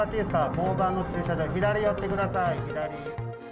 交番の駐車場、左寄ってください、左。